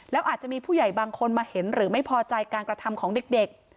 แล้วอาจจะมีผู้ใหญ่บางคนมาเห็นหรือไม่พอใจการกระทำของเด็ก